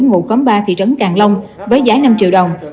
ngụ khóm ba thị trấn càng long với giá năm triệu đồng